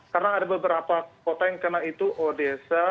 karena ada beberapa kota yang kena itu odesa